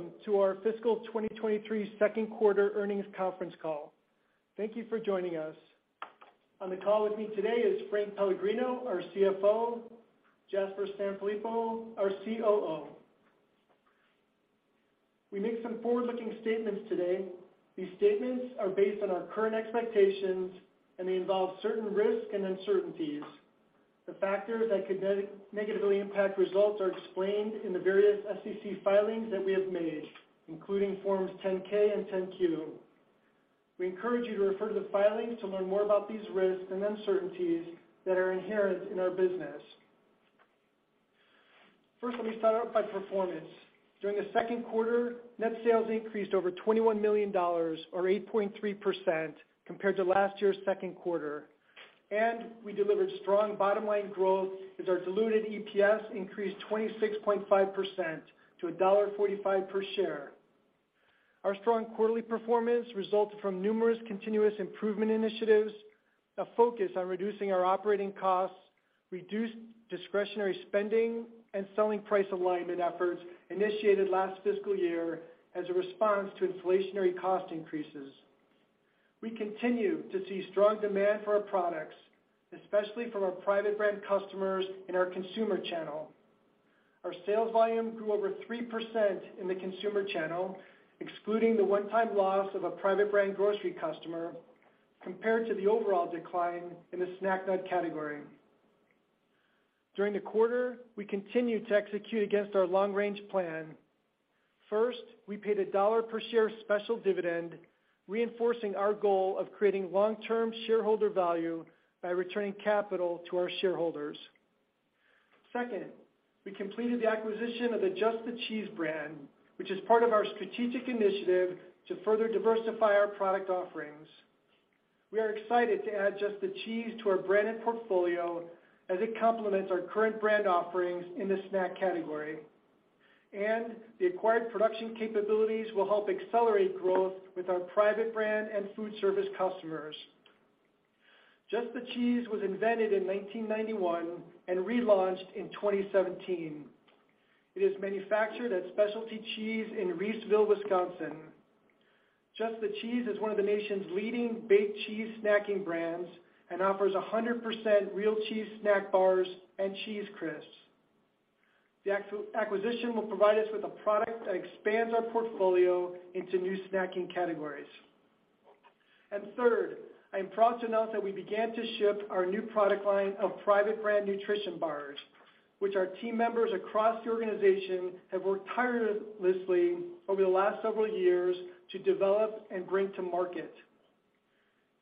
Welcome to our fiscal 2023 second quarter earnings conference call. Thank you for joining us. On the call with me today is Frank Pellegrino, our CFO, Jasper Sanfilippo, our COO. We make some forward-looking statements today. These statements are based on our current expectations and they involve certain risks and uncertainties. The factors that could negatively impact results are explained in the various SEC filings that we have made, including Forms 10-K and 10-Q. We encourage you to refer to the filings to learn more about these risks and uncertainties that are inherent in our business. First, let me start out by performance. During the second quarter, net sales increased over $21 million or 8.3% compared to last year's second quarter, and we delivered strong bottom-line growth as our diluted EPS increased 26.5% to $1.45 per share. Our strong quarterly performance resulted from numerous continuous improvement initiatives, a focus on reducing our operating costs, reduced discretionary spending, and selling price alignment efforts initiated last fiscal year as a response to inflationary cost increases. We continue to see strong demand for our products, especially from our private brand customers in our consumer channel. Our sales volume grew over 3% in the consumer channel, excluding the one-time loss of a private brand grocery customer, compared to the overall decline in the snack nut category. During the quarter, we continued to execute against our long-range plan. First, we paid a $1 per share special dividend, reinforcing our goal of creating long-term shareholder value by returning capital to our shareholders. Second, we completed the acquisition of the Just the Cheese brand, which is part of our strategic initiative to further diversify our product offerings. We are excited to add Just The Cheese to our branded portfolio as it complements our current brand offerings in the snack category, and the acquired production capabilities will help accelerate growth with our private brand and food service customers. Just The Cheese was invented in 1991 and relaunched in 2017. It is manufactured at Specialty Cheese in Reeseville, Wisconsin. Just The Cheese is one of the nation's leading baked cheese snacking brands and offers 100% real cheese snack bars and cheese crisps. The acquisition will provide us with a product that expands our portfolio into new snacking categories. Third, I am proud to announce that we began to ship our new product line of private brand nutrition bars, which our team members across the organization have worked tirelessly over the last several years to develop and bring to market.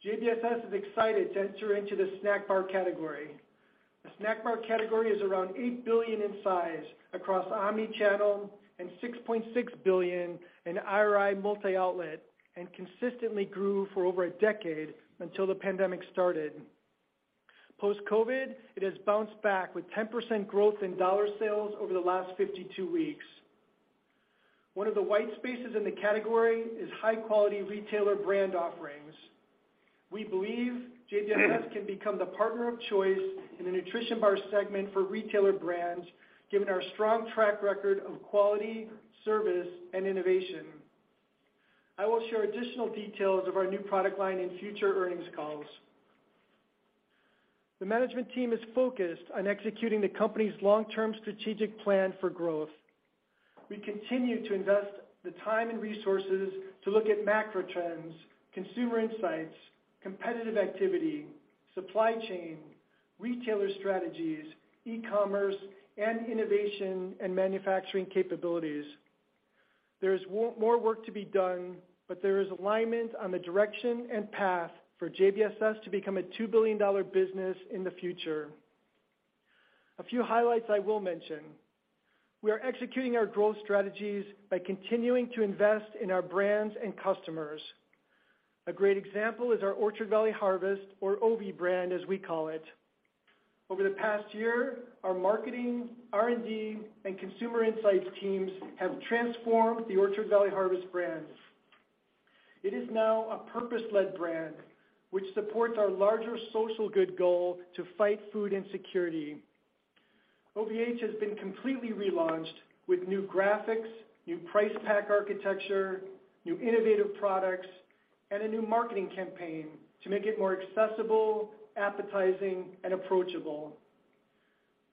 JBSS is excited to enter into the snack bar category. The snack bar category is around $8 billion in size across omni-channel and $6.6 billion in IRI multi-outlet and consistently grew for over a decade until the pandemic started. Post-COVID, it has bounced back with 10% growth in dollar sales over the last 52 weeks. One of the white spaces in the category is high-quality retailer brand offerings. We believe JBSS can become the partner of choice in the nutrition bar segment for retailer brands, given our strong track record of quality, service, and innovation. I will share additional details of our new product line in future earnings calls. The management team is focused on executing the company's long-term strategic plan for growth. We continue to invest the time and resources to look at macro trends, consumer insights, competitive activity, supply chain, retailer strategies, e-commerce, and innovation and manufacturing capabilities. There is more work to be done, but there is alignment on the direction and path for JBSS to become a $2 billion business in the future. A few highlights I will mention. We are executing our growth strategies by continuing to invest in our brands and customers. A great example is our Orchard Valley Harvest or OV brand as we call it. Over the past year, our marketing, R&D, and consumer insights teams have transformed the Orchard Valley Harvest brand. It is now a purpose-led brand which supports our larger social good goal to fight food insecurity. OVH has been completely relaunched with new graphics, new price pack architecture, new innovative products, and a new marketing campaign to make it more accessible, appetizing, and approachable.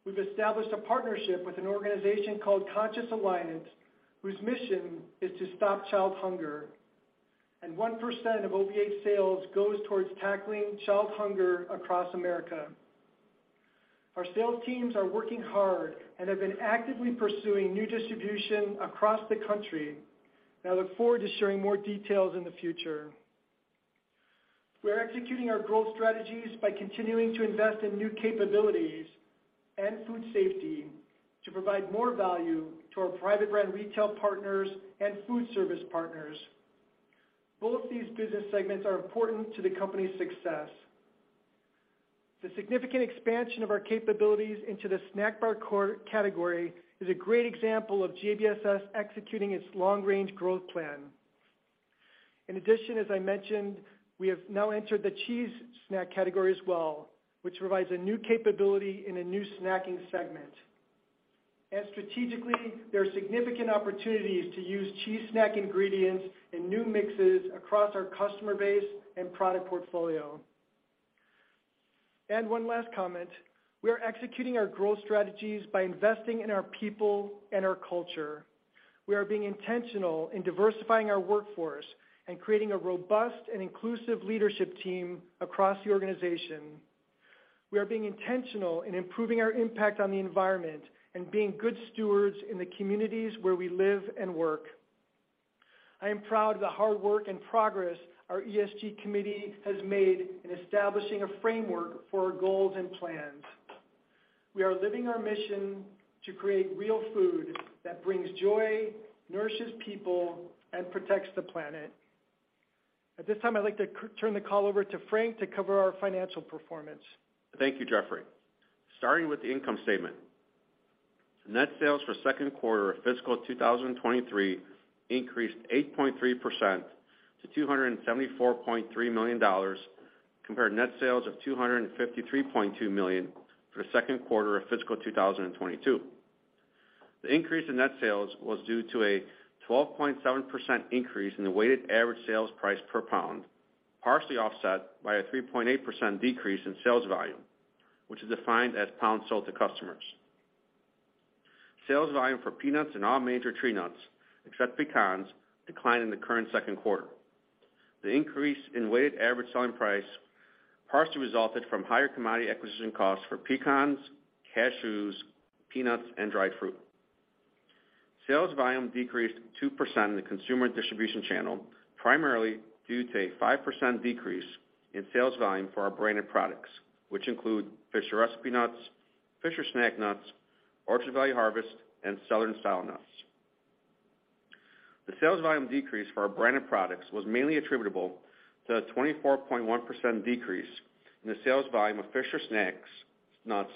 We've established a partnership with an organization called Conscious Alliance, whose mission is to stop child hunger, and 1% of OVH sales goes towards tackling child hunger across America. Our sales teams are working hard and have been actively pursuing new distribution across the country, and I look forward to sharing more details in the future. We are executing our growth strategies by continuing to invest in new capabilities and food safety to provide more value to our private brand retail partners and food service partners. Both these business segments are important to the company's success. The significant expansion of our capabilities into the snack bar category is a great example of JBSS executing its long-range growth plan. In addition, as I mentioned, we have now entered the cheese snack category as well, which provides a new capability in a new snacking segment. Strategically, there are significant opportunities to use cheese snack ingredients in new mixes across our customer base and product portfolio. One last comment. We are executing our growth strategies by investing in our people and our culture. We are being intentional in diversifying our workforce and creating a robust and inclusive leadership team across the organization. We are being intentional in improving our impact on the environment and being good stewards in the communities where we live and work. I am proud of the hard work and progress our ESG committee has made in establishing a framework for our goals and plans. We are living our mission to create real food that brings joy, nourishes people, and protects the planet. At this time, I'd like to turn the call over to Frank to cover our financial performance. Thank you, Jeffrey. Starting with the income statement. Net sales for second quarter of fiscal 2023 increased 8.3% to $274.3 million compared to net sales of $253.2 million for the second quarter of fiscal 2022. The increase in net sales was due to a 12.7% increase in the weighted average sales price per pound, partially offset by a 3.8% decrease in sales volume, which is defined as pounds sold to customers. Sales volume for peanuts and all major tree nuts, except pecans, declined in the current second quarter. The increase in weighted average selling price partially resulted from higher commodity acquisition costs for pecans, cashews, peanuts, and dried fruit. Sales volume decreased 2% in the consumer distribution channel, primarily due to a 5% decrease in sales volume for our branded products, which include Fisher Recipe Nuts, Fisher Snack Nuts, Orchard Valley Harvest, and Southern Style Nuts. The sales volume decrease for our branded products was mainly attributable to a 24.1% decrease in the sales volume of Fisher Snack Nuts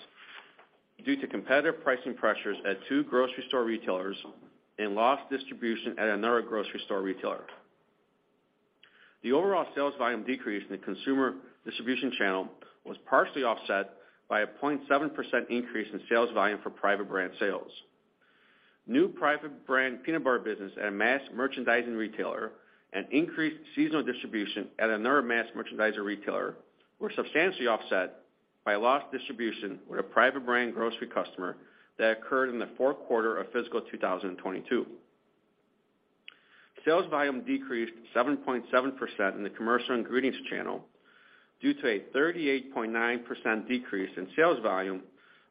due to competitive pricing pressures at two grocery store retailers and lost distribution at another grocery store retailer. The overall sales volume decrease in the consumer distribution channel was partially offset by a 0.7% increase in sales volume for private brand sales. New private brand peanut bar business at a mass merchandising retailer and increased seasonal distribution at another mass merchandiser retailer were substantially offset by lost distribution with a private brand grocery customer that occurred in the fourth quarter of fiscal 2022. Sales volume decreased 7.7% in the commercial ingredients channel due to a 38.9% decrease in sales volume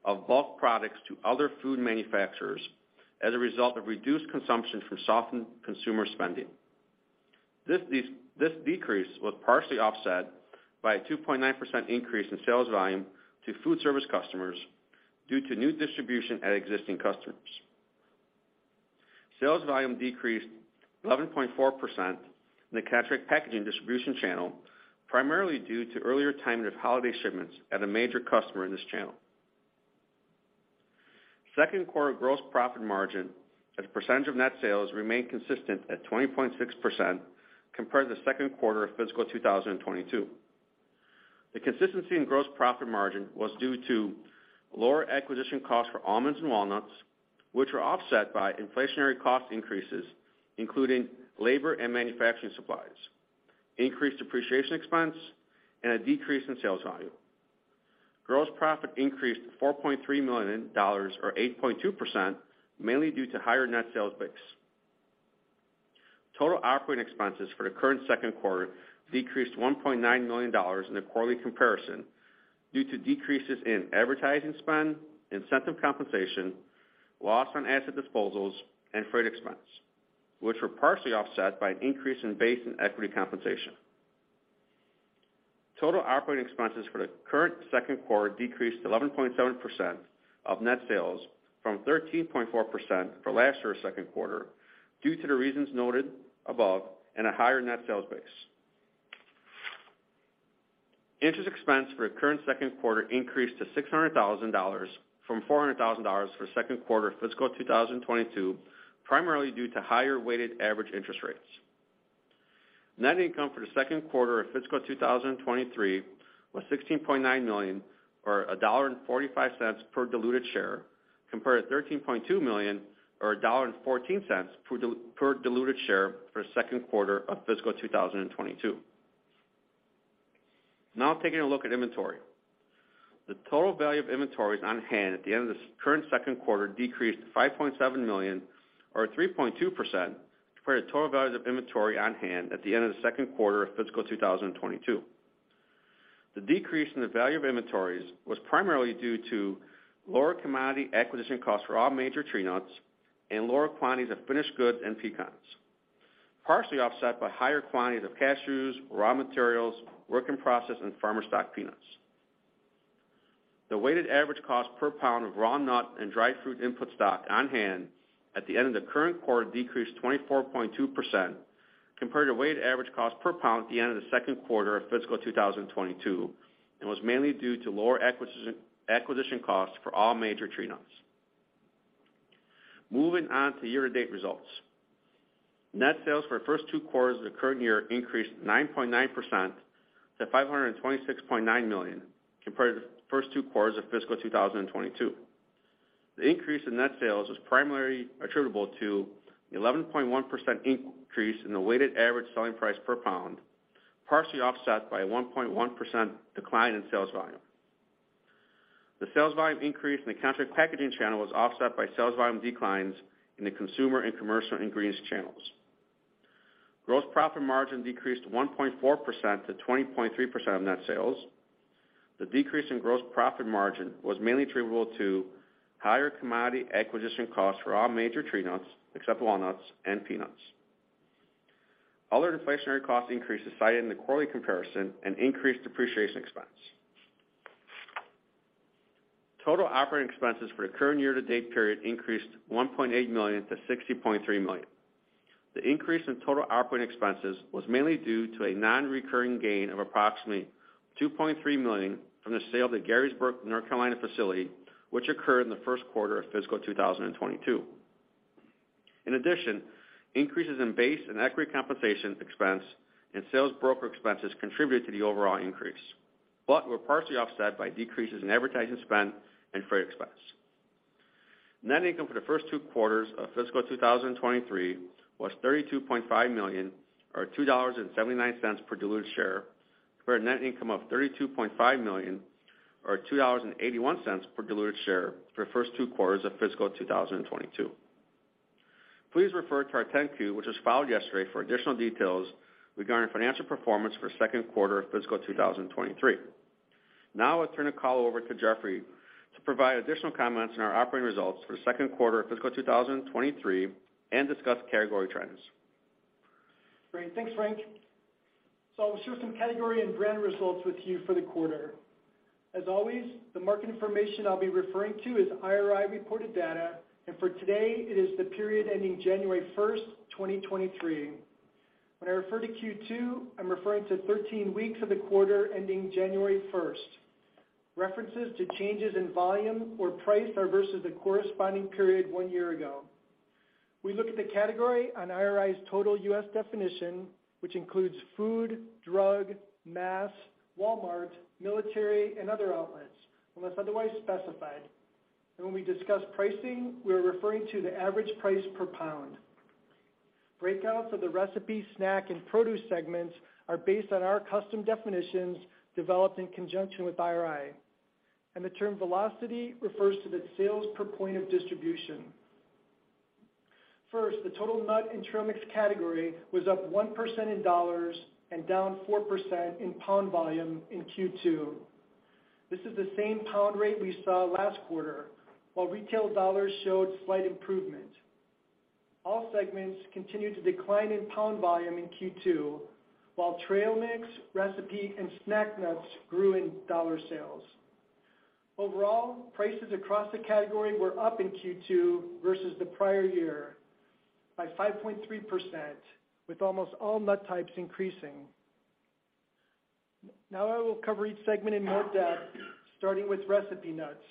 of bulk products to other food manufacturers as a result of reduced consumption from softened consumer spending. This decrease was partially offset by a 2.9% increase in sales volume to food service customers due to new distribution at existing customers. Sales volume decreased 11.4% in the contract packaging distribution channel, primarily due to earlier timing of holiday shipments at a major customer in this channel. Second quarter gross profit margin as a percentage of net sales remained consistent at 20.6% compared to the second quarter of fiscal 2022. The consistency in gross profit margin was due to lower acquisition costs for almonds and walnuts, which were offset by inflationary cost increases, including labor and manufacturing supplies, increased depreciation expense, and a decrease in sales volume. Gross profit increased $4.3 million, or 8.2%, mainly due to higher net sales mix. Total operating expenses for the current second quarter decreased $1.9 million in the quarterly comparison due to decreases in advertising spend, incentive compensation, loss on asset disposals, and freight expense, which were partially offset by an increase in base and equity compensation. Total operating expenses for the current second quarter decreased 11.7% of net sales from 13.4% for last year's second quarter due to the reasons noted above and a higher net sales base. Interest expense for the current second quarter increased to $600,000 from $400,000 for the second quarter of fiscal 2022, primarily due to higher weighted average interest rates. Net income for the second quarter of fiscal 2023 was $16.9 million, or $1.45 per diluted share, compared to $13.2 million, or $1.14 per diluted share for the second quarter of fiscal 2022. Taking a look at inventory. The total value of inventories on hand at the end of the current second quarter decreased to $5.7 million or 3.2% compared to total values of inventory on hand at the end of the second quarter of fiscal 2022. The decrease in the value of inventories was primarily due to lower commodity acquisition costs for all major tree nuts and lower quantities of finished goods and pecans, partially offset by higher quantities of cashews, raw materials, work in process, and farmer stock peanuts. The weighted average cost per pound of raw nut and dried fruit input stock on hand at the end of the current quarter decreased 24.2% compared to weighted average cost per pound at the end of the second quarter of fiscal 2022, and was mainly due to lower acquisition costs for all major tree nuts. Moving on to year-to-date results. Net sales for the first two quarters of the current year increased 9.9% to $526.9 million, compared to the first two quarters of fiscal 2022. The increase in net sales was primarily attributable to the 11.1% increase in the weighted average selling price per pound, partially offset by a 1.1% decline in sales volume. The sales volume increase in the contract packaging channel was offset by sales volume declines in the consumer and commercial ingredients channels. Gross profit margin decreased 1.4% to 20.3% of net sales. The decrease in gross profit margin was mainly attributable to higher commodity acquisition costs for all major tree nuts, except walnuts and peanuts. Other inflationary cost increases cited in the quarterly comparison and increased depreciation expense. Total operating expenses for the current year-to-date period increased $1.8 million to $60.3 million. The increase in total operating expenses was mainly due to a non-recurring gain of approximately $2.3 million from the sale of the Garysburg, North Carolina facility, which occurred in the first quarter of fiscal 2022. In addition, increases in base and equity compensation expense and sales broker expenses contributed to the overall increase, but were partially offset by decreases in advertising spend and freight expense. Net income for the first two quarters of fiscal 2023 was $32.5 million or $2.79 per diluted share, compared to net income of $32.5 million or $2.81 per diluted share for the first two quarters of fiscal 2022. Please refer to our 10-Q, which was filed yesterday, for additional details regarding financial performance for second quarter of fiscal 2023. Now I'll turn the call over to Jeffrey to provide additional comments on our operating results for the second quarter of fiscal 2023 and discuss category trends. Great. Thanks, Frank. I'll share some category and brand results with you for the quarter. As always, the market information I'll be referring to is IRI reported data, and for today, it is the period ending January first, 2023. When I refer to Q2, I'm referring to 13 weeks of the quarter ending January first. References to changes in volume or price are versus the corresponding period 1 year ago. We look at the category on IRI's total U.S. definition, which includes food, drug, mass, Walmart, military, and other outlets, unless otherwise specified. When we discuss pricing, we are referring to the average price per pound. Breakouts of the recipe, snack, and produce segments are based on our custom definitions developed in conjunction with IRI. The term velocity refers to the sales per point of distribution. First, the total nut and trail mix category was up 1% in dollars and down 4% in pound volume in Q2. This is the same pound rate we saw last quarter, while retail dollars showed slight improvement. All segments continued to decline in pound volume in Q2, while trail mix, recipe, and snack nuts grew in dollar sales. Overall, prices across the category were up in Q2 versus the prior year by 5.3%, with almost all nut types increasing. I will cover each segment in more depth, starting with recipe nuts.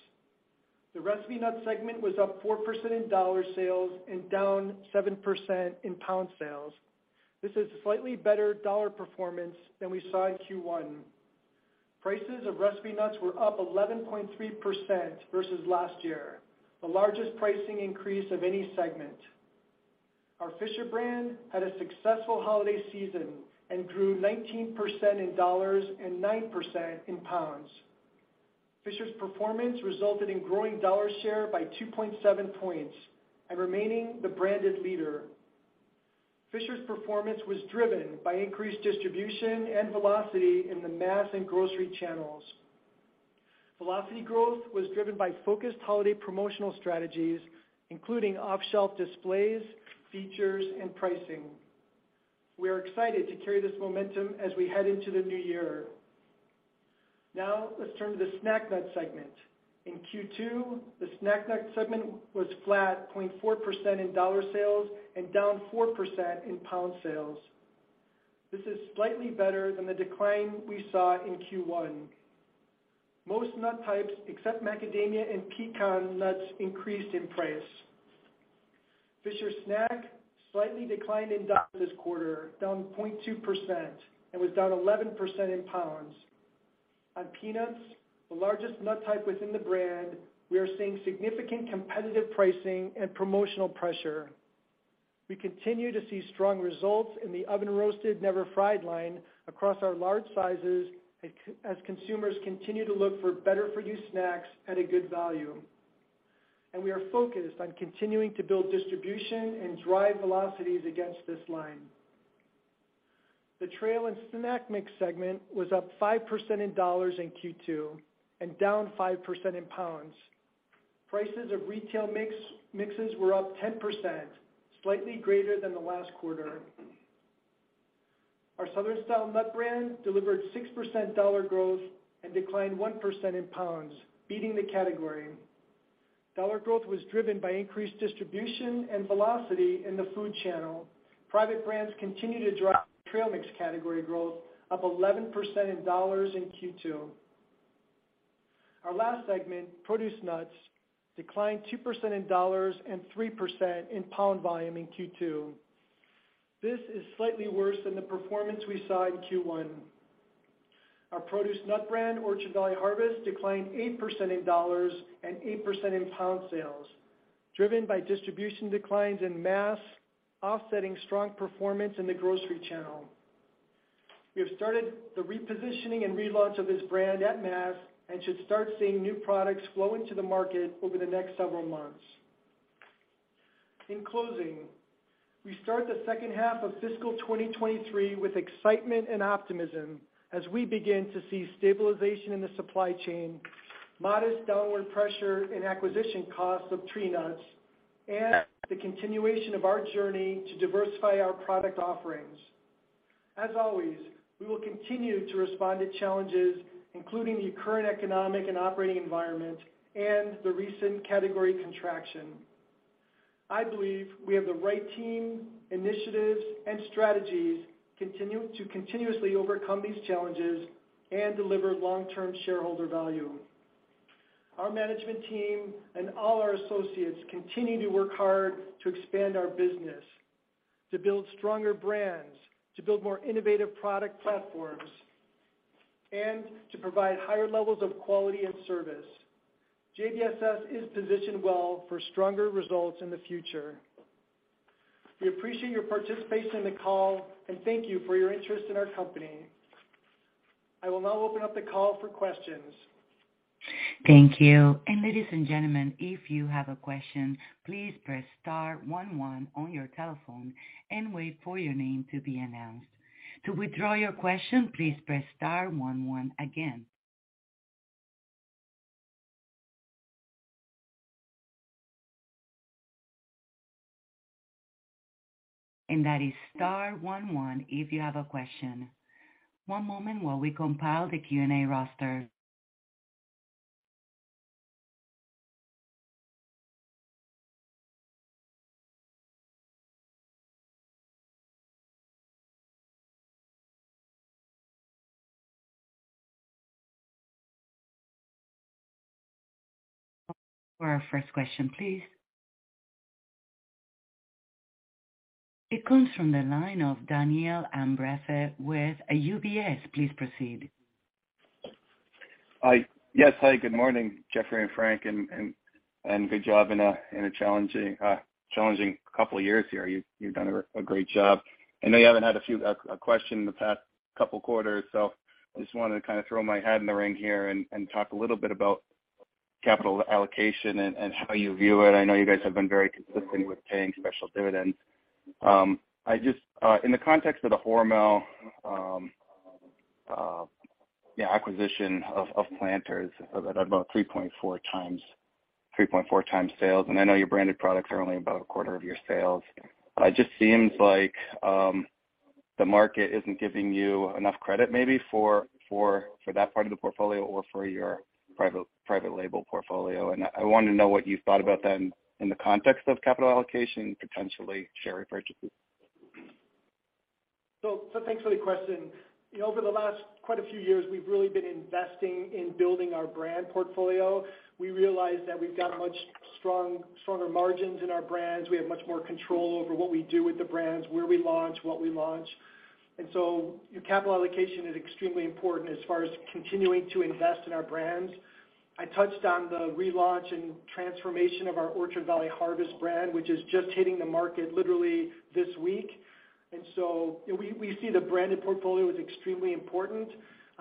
The recipe nuts segment was up 4% in dollar sales and down 7% in pound sales. This is a slightly better dollar performance than we saw in Q1. Prices of recipe nuts were up 11.3% versus last year, the largest pricing increase of any segment. Our Fisher brand had a successful holiday season and grew 19% in dollars and 9% in pounds. Fisher's performance resulted in growing dollar share by 2.7 points and remaining the branded leader. Fisher's performance was driven by increased distribution and velocity in the mass and grocery channels. Velocity growth was driven by focused holiday promotional strategies, including off-shelf displays, features, and pricing. We are excited to carry this momentum as we head into the new year. Let's turn to the snack nut segment. In Q2, the snack nut segment was flat 0.4% in dollar sales and down 4% in pound sales. This is slightly better than the decline we saw in Q1. Most nut types, except macadamia and pecan nuts, increased in price. Fisher Snack slightly declined in dollars this quarter, down 0.2%, and was down 11% in pounds. On peanuts, the largest nut type within the brand, we are seeing significant competitive pricing and promotional pressure. We continue to see strong results in the Oven Roasted Never Fried across our large sizes as consumers continue to look for better-for-you snacks at a good value. We are focused on continuing to build distribution and drive velocities against this line. The trail and snack mix segment was up 5% in dollars in Q2 and down 5% in pounds. Prices of retail mix, mixes were up 10%, slightly greater than the last quarter. Our Southern Style Nuts brand delivered 6% dollar growth and declined 1% in pounds, beating the category. Dollar growth was driven by increased distribution and velocity in the food channel. Private brands continue to drive trail mix category growth, up 11% in dollars in Q2. Our last segment, Produce Nuts, declined 2% in dollars and 3% in pound volume in Q2. This is slightly worse than the performance we saw in Q1. Our Produce Nut brand, Orchard Valley Harvest, declined 8% in dollars and 8% in pound sales, driven by distribution declines in mass, offsetting strong performance in the grocery channel. We have started the repositioning and relaunch of this brand at mass and should start seeing new products flow into the market over the next several months. In closing, we start the second half of fiscal 2023 with excitement and optimism as we begin to see stabilization in the supply chain, modest downward pressure in acquisition costs of tree nuts, and the continuation of our journey to diversify our product offerings. As always, we will continue to respond to challenges, including the current economic and operating environment and the recent category contraction. I believe we have the right team, initiatives, and strategies to continuously overcome these challenges and deliver long-term shareholder value. Our management team and all our associates continue to work hard to expand our business, to build stronger brands, to build more innovative product platforms, and to provide higher levels of quality and service. JBSS is positioned well for stronger results in the future. We appreciate your participation in the call and thank you for your interest in our company. I will now open up the call for questions. Thank you. Ladies and gentlemen, if you have a question, please press star one one on your telephone and wait for your name to be announced. To withdraw your question, please press star one one again. That is star one one if you have a question. One moment while we compile the Q&A roster. For our first question, please. It comes from the line of Daniel Ambrefe with UBS. Please proceed. Hi. Yes, hi, good morning, Jeffrey and Frank, and good job in a challenging couple of years here. You've done a great job. I know you haven't had a question in the past couple quarters, so I just wanted to kind of throw my hat in the ring here and talk a little bit about capital allocation and how you view it. I know you guys have been very consistent with paying special dividends. I just in the context of the Hormel acquisition of Planters at about 3.4 times sales, and I know your branded products are only about a quarter of your sales. It just seems like, the market isn't giving you enough credit maybe for that part of the portfolio or for your private label portfolio. I want to know what you've thought about then in the context of capital allocation, potentially share repurchases. Thanks for the question. You know, over the last quite a few years, we've really been investing in building our brand portfolio. We realize that we've got much stronger margins in our brands. We have much more control over what we do with the brands, where we launch, what we launch. Capital allocation is extremely important as far as continuing to invest in our brands. I touched on the relaunch and transformation of our Orchard Valley Harvest brand, which is just hitting the market literally this week. You know, we see the branded portfolio as extremely important.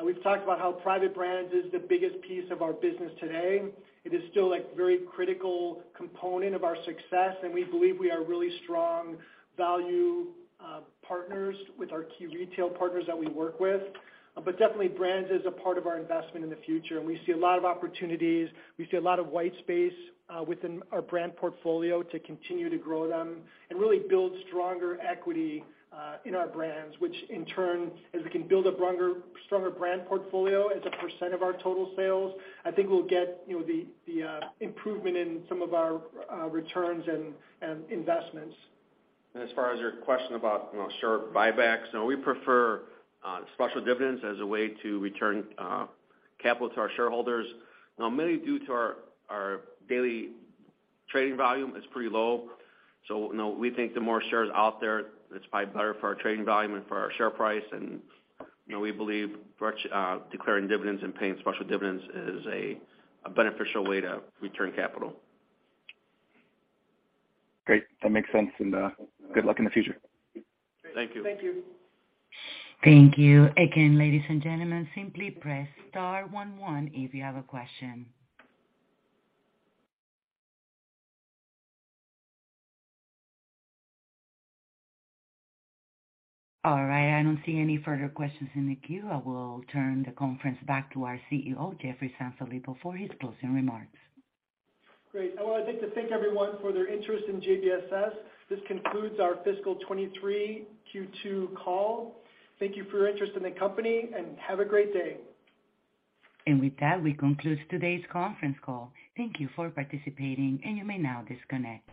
We've talked about how private brands is the biggest piece of our business today. It is still a very critical component of our success, and we believe we are really strong value partners with our key retail partners that we work with. Definitely brands is a part of our investment in the future, and we see a lot of opportunities. We see a lot of white space within our brand portfolio to continue to grow them and really build stronger equity in our brands, which in turn, as we can build a stronger brand portfolio as a % of our total sales, I think we'll get, you know, the improvement in some of our returns and investments. As far as your question about, you know, share buybacks, you know, we prefer special dividends as a way to return capital to our shareholders, mainly due to our daily trading volume is pretty low. You know, we think the more shares out there, it's probably better for our trading volume and for our share price. You know, we believe declaring dividends and paying special dividends is a beneficial way to return capital. Great. That makes sense. Good luck in the future. Thank you. Thank you. Thank you. Again, ladies and gentlemen, simply press star one one if you have a question. All right, I don't see any further questions in the queue. I will turn the conference back to our CEO, Jeffrey T. Sanfilippo, for his closing remarks. Great. I would like to thank everyone for their interest in JBSS. This concludes our fiscal 23 Q2 call. Thank you for your interest in the company, and have a great day. With that, we conclude today's conference call. Thank you for participating, and you may now disconnect.